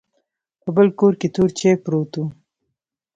په بل کې تور چاې پروت و.